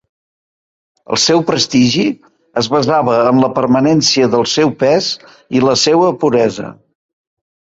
El seu prestigi es basava en la permanència del seu pes i la seua puresa.